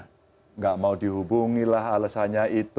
tidak mau dihubungilah alasannya itu